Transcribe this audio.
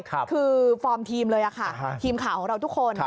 คือฟอร์มทีมเลยค่ะทีมข่าวของเราทุกคน